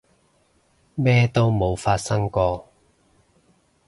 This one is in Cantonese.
咩都冇發生過